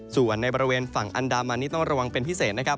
ส่วนในบริเวณฝั่งอันดามันนี่ต้องระวังเป็นพิเศษนะครับ